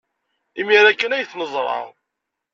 Imir-a kan ay t-neẓra.